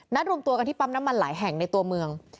รวมตัวกันที่ปั๊มน้ำมันหลายแห่งในตัวเมือง